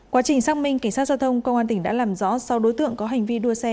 quá trình xác minh cảnh sát giao thông công an tỉnh đã làm rõ sau đối tượng có hành vi đua xe